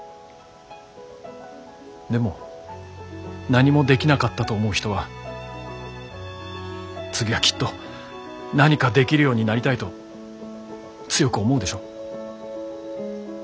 でも何もできなかったと思う人は次はきっと何かできるようになりたいと強く思うでしょ？